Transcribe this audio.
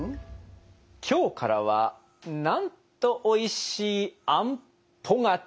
「きょうからはなんとおいしいあんぽ柿」。